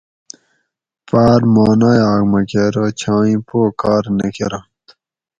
پاۤر ماں نایاک مکہ ارو چھان ایں پو کار نہ کرنت